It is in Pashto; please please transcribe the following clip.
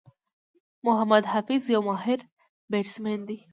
محمد حفيظ یو ماهر بيټسمېن دئ.